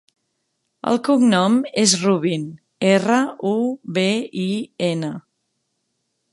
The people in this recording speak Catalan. El cognom és Rubin: erra, u, be, i, ena.